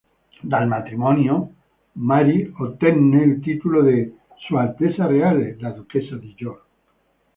Dal matrimonio, Mary ottenne il titolo di "Sua Altezza Reale" la Duchessa di York.